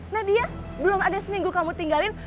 nah dia belum ada seminggu kamu tinggalin